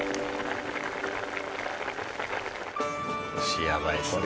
腰やばいっすね。